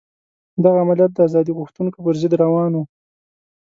دغه عملیات د ازادي غوښتونکو پر ضد روان وو.